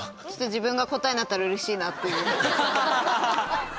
自分が答えになったらうれしいなっていう。